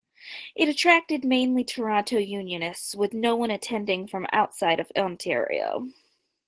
It attracted mainly Toronto unionists with no one attending from outside of Ontario.